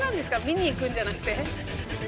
見に行くんじゃなくて。